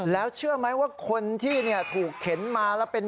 แล้วเชื่อไหมว่าคนที่ถูกเข็นมาแล้วเป็น